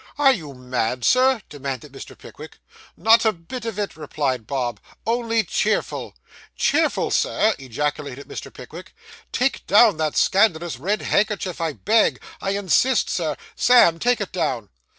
'Are you mad, sir?' demanded Mr. Pickwick. 'Not a bit of it,' replied Bob; 'only cheerful.' 'Cheerful, sir!' ejaculated Mr. Pickwick. 'Take down that scandalous red handkerchief, I beg. I insist, Sir. Sam, take it down.